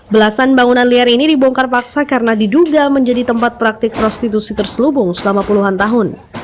belasan bangunan liar ini dibongkar paksa karena diduga menjadi tempat praktik prostitusi terselubung selama puluhan tahun